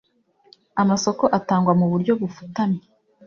amasoko atangwa mu buryo bufutamye